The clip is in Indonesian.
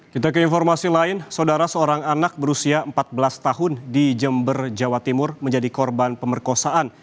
kita ke informasi lain saudara seorang anak berusia empat belas tahun di jember jawa timur menjadi korban pemerkosaan